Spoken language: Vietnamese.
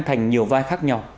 thành nhiều vai khác nhau